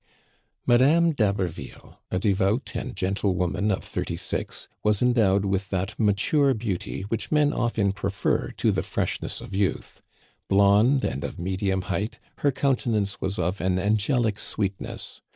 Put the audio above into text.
Madame d'Haberville, a devout and gentle woman of thirty six, was endowed with that mature beauty which men often prefer to the freshness of youth. Blonde and of medium height, her countenance was of an angelic sweetness.